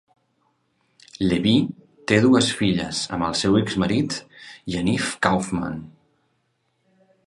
Levi té dues filles amb el seu exmarit, Yaniv Kaufman.